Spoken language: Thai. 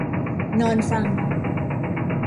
นอนฟัง